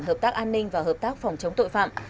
hợp tác an ninh và hợp tác phòng chống tội phạm